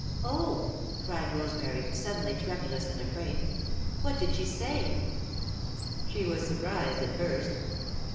"Oh!" cried Rosemary, suddenly tremulous and afraid. "What did she say?" "She was surprised at first."